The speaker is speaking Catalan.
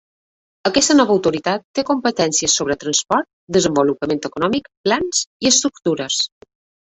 Aquesta nova autoritat té competències sobre transport, desenvolupament econòmic, plans i estructures.